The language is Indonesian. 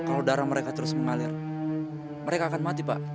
kalau darah mereka terus mengalir mereka akan mati pak